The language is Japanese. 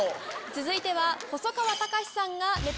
続いては。